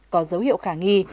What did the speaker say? có dấu hiệu khả nghi